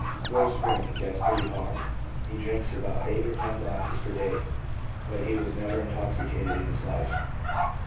Towards spring it gets pretty " hard." He drinks about eight or ten glasses per day, but he was never intoxicated in his life.